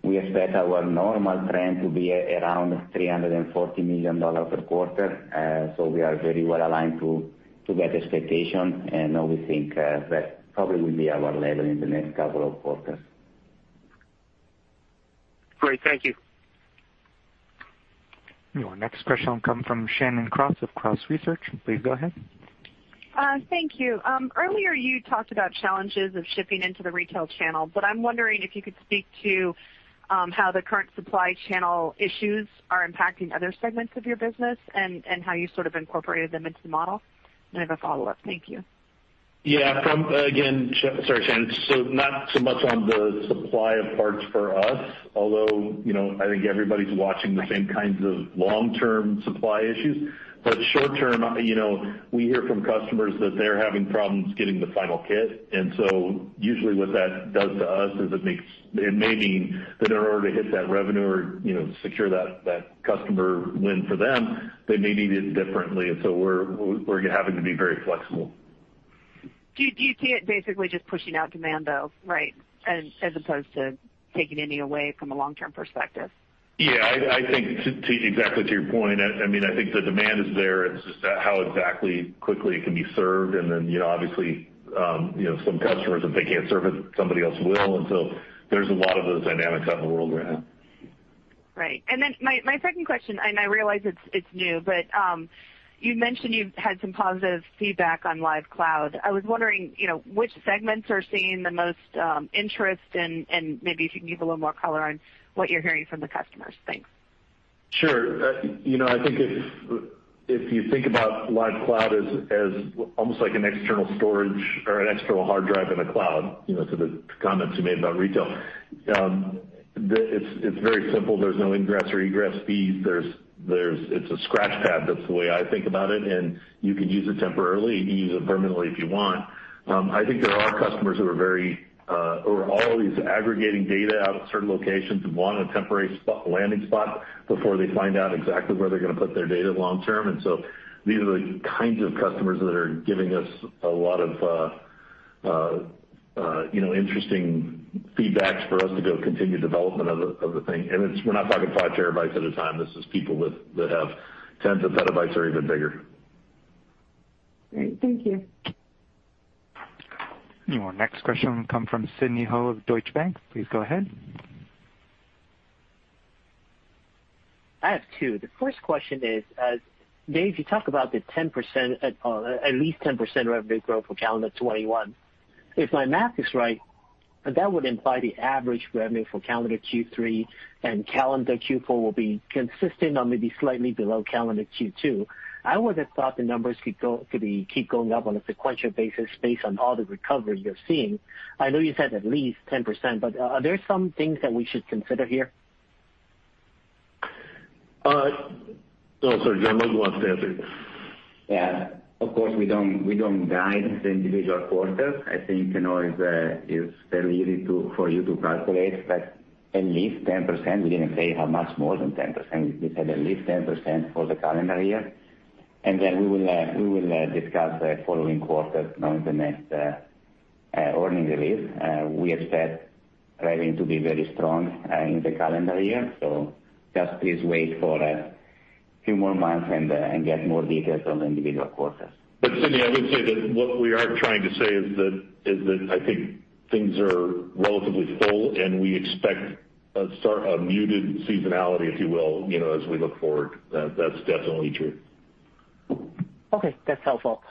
we expect our normal trend to be around $340 million per quarter. We are very well aligned to that expectation, and we think that probably will be our level in the next couple of quarters. Great. Thank you. Our next question will come from Shannon Cross of Cross Research. Please go ahead. Thank you. Earlier, you talked about challenges of shipping into the retail channel, but I'm wondering if you could speak to how the current supply channel issues are impacting other segments of your business and how you sort of incorporated them into the model. I have a follow-up. Thank you. Again, sorry, Shannon. Not so much on the supply of parts for us, although I think everybody's watching the same kinds of long-term supply issues. Short-term, we hear from customers that they're having problems getting the final kit, and so usually what that does to us is it may mean that in order to hit that revenue or secure that customer win for them, they may need it differently, and so we're having to be very flexible. Do you see it basically just pushing out demand, though? As opposed to taking any away from a long-term perspective? I think exactly to your point, I think the demand is there. It's just how exactly quickly it can be served, and then obviously, some customers, if they can't serve it, somebody else will. There's a lot of those dynamics out in the world right now. Right. My second question, and I realize it's new, but you mentioned you've had some positive feedback on Lyve Cloud. I was wondering which segments are seeing the most interest, and maybe if you can give a little more color on what you're hearing from the customers. Thanks. Sure. I think if you think about Lyve Cloud as almost like an external storage or an external hard drive in the cloud, to the comments you made about retail. It's very simple. There's no ingress or egress fees. It's a scratch pad, that's the way I think about it, and you can use it temporarily, and you can use it permanently if you want. I think there are customers who are always aggregating data out at certain locations and want a temporary landing spot before they find out exactly where they're going to put their data long term. These are the kinds of customers that are giving us a lot of interesting feedback for us to go continue development of the thing. We're not talking five terabytes at a time. This is people that have tens of petabytes or even bigger. Great. Thank you. Your next question will come from Sidney Ho of Deutsche Bank. Please go ahead. I have two. The first question is, Dave, you talk about at least 10% revenue growth for calendar 2021. If my math is right, that would imply the average revenue for calendar Q3 and calendar Q4 will be consistent or maybe slightly below calendar Q2. I would have thought the numbers could keep going up on a sequential basis based on all the recovery you're seeing. I know you said at least 10%, but are there some things that we should consider here? Sorry, Gianluca wants to answer this. Of course, we don't guide the individual quarters. I think it's fairly easy for you to calculate, but at least 10%, we didn't say how much more than 10%, we said at least 10% for the calendar year. We will discuss the following quarter on the next earnings release. We expect revenue to be very strong in the calendar year, just please wait for a few more months and get more details on the individual quarters. Sidney, I would say that what we are trying to say is that I think things are relatively full, and we expect a muted seasonality, if you will, as we look forward. That's definitely true. Okay. That's helpful.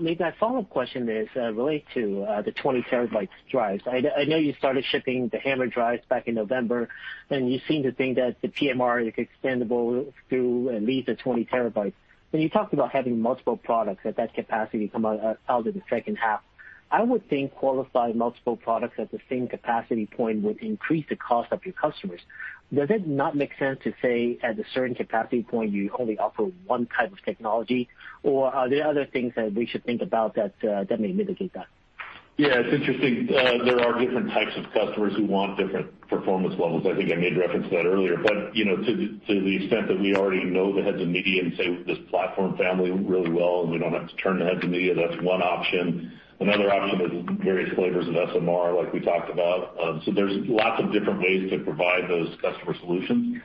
Maybe my follow-up question is related to the 20 TB drives. I know you started shipping the HAMR drives back in November, and you seem to think that the PMR is extendable through at least a 20 TB. When you talked about having multiple products at that capacity come out of the second half, I would think qualifying multiple products at the same capacity point would increase the cost of your customers. Does it not make sense to say at a certain capacity point, you only offer one type of technology? Are there other things that we should think about that may mitigate that? It's interesting. There are different types of customers who want different performance levels. I think I made reference to that earlier. To the extent that we already know the heads and media and say this platform family really well, and we don't have to turn the heads and media, that's one option. Another option is various flavors of SMR, like we talked about. There's lots of different ways to provide those customer solutions.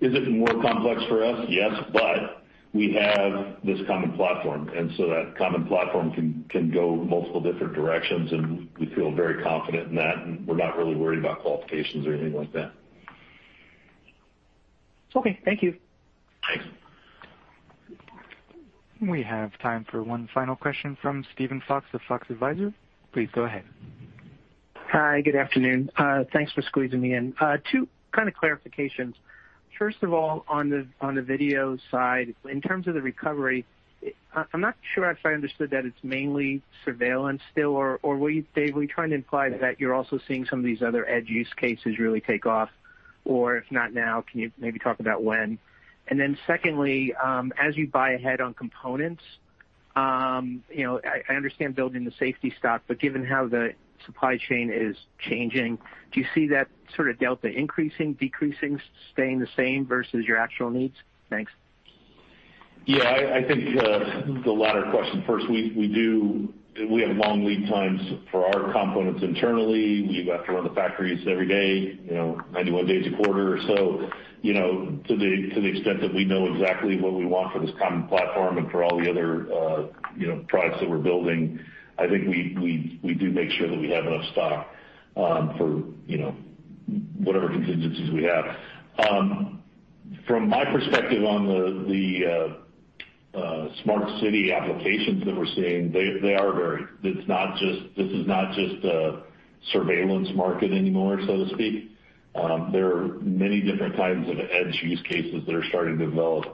Is it more complex for us? Yes, but we have this common platform, and so that common platform can go multiple different directions, and we feel very confident in that, and we're not really worried about qualifications or anything like that. Okay, thank you. Thanks. We have time for one final question from Steven Fox of Fox Advisors. Please go ahead. Hi, good afternoon. Thanks for squeezing me in. Two kind of clarifications. First of all, on the video side, in terms of the recovery, I'm not sure if I understood that it's mainly surveillance still, or Dave, were you trying to imply that you're also seeing some of these other edge use cases really take off? Or if not now, can you maybe talk about when? Secondly, as you buy ahead on components, I understand building the safety stock, but given how the supply chain is changing, do you see that sort of delta increasing, decreasing, staying the same versus your actual needs? Thanks. I think the latter question first. We have long lead times for our components internally. We have to run the factories every day, 91 days a quarter or so. To the extent that we know exactly what we want for this common platform and for all the other products that we're building, I think we do make sure that we have enough stock for whatever contingencies we have. From my perspective on the Smart City applications that we're seeing, they are varied. This is not just a surveillance market anymore, so to speak. There are many different types of edge use cases that are starting to develop.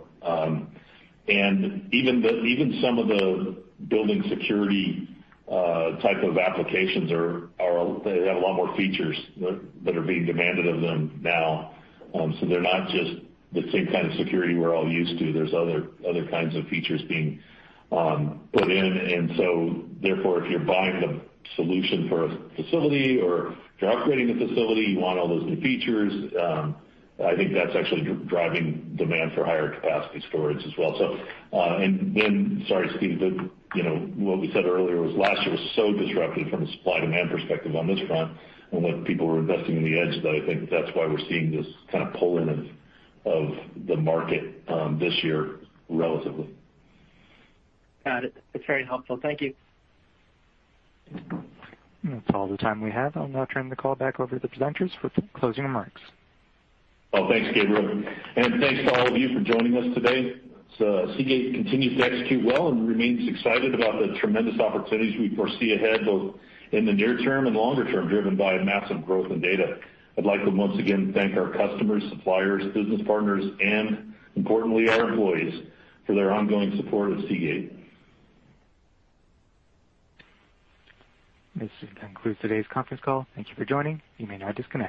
Even some of the building security type of applications, they have a lot more features that are being demanded of them now. They're not just the same kind of security we're all used to. There's other kinds of features being put in, and so therefore, if you're buying a solution for a facility or if you're upgrading a facility, you want all those new features. I think that's actually driving demand for higher capacity storage as well. Sorry, Steve, what we said earlier was last year was so disrupted from a supply and demand perspective on this front and what people were investing in the edge that I think that's why we're seeing this kind of pull-in of the market this year, relatively. Got it. That's very helpful. Thank you. That's all the time we have. I'll now turn the call back over to the presenters for closing remarks. Oh, thanks, Gabriel, and thanks to all of you for joining us today. Seagate continues to execute well and remains excited about the tremendous opportunities we foresee ahead, both in the near term and longer term, driven by massive growth in data. I'd like to once again thank our customers, suppliers, business partners, and importantly, our employees for their ongoing support of Seagate. This concludes today's conference call. Thank you for joining. You may now disconnect.